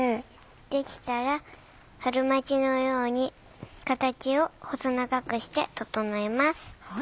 できたら春巻きのように形を細長くして整えます。